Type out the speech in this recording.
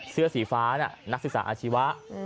เสื้อสีฟ้าน่ะนักศึกษาอาชีวะ